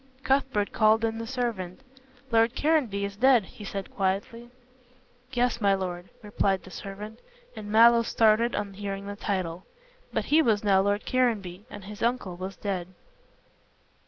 Cuthbert called in the servant. "Lord Caranby is dead," he said quietly. "Yes, my lord," replied the servant, and Mallow started on hearing the title. But he was now Lord Caranby and his uncle was dead.